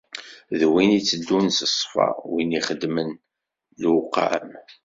D win itteddun s ṣṣfa, win ixeddmen lewqam.